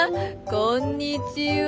こんにちは。